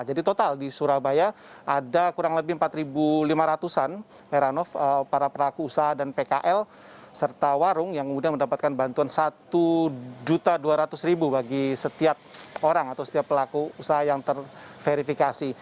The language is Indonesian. jadi total di surabaya ada kurang lebih empat lima ratus an heranov para pelaku usaha dan pkl serta warung yang kemudian mendapatkan bantuan satu dua ratus bagi setiap orang atau setiap pelaku usaha yang terverifikasi